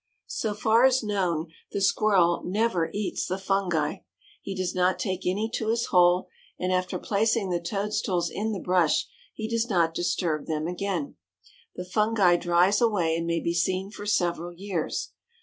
So far as known, the Squirrel never eats the fungi. He does not take any to his hole, and after placing the toadstools in the brush he does not disturb them again. The fungi dries away and may be seen for several years.